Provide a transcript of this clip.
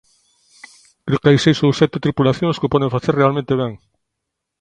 Creo que hai seis ou sete tripulacións que o poden facer realmente ben.